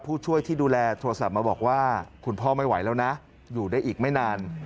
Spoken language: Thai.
ผู้ช่วยที่ดูแลโทรศัพท์มาบอกว่าคุณพ่อไม่ไหวแล้วนะอยู่ได้อีกไม่นาน